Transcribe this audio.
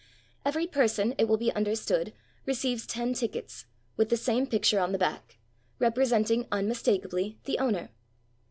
Every person, it will be understood, receives ten tickets, with the same picture on the back, representing unmistakably the owner.